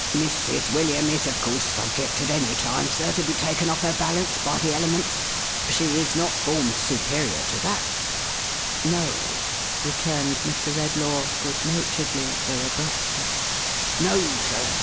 " Mrs. AVilliam is of course subject at any time, sir, to be taken oft' her balance by the elements. She is not formed superior to that" " No," returned Mr. Redlaw good naturedly, though abruptly. " No, sir.